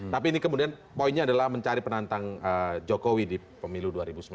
tapi ini kemudian poinnya adalah mencari penantang jokowi di pemilu dua ribu sembilan belas